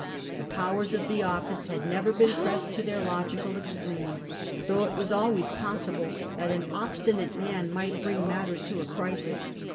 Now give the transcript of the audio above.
The powers of the office had never been pressed to their logical extreme, though it was always possible that an obstinate man might bring matters to a crisis.